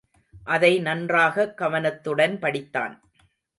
அதை நன்றாக கவனத்துடன் படித்தான்.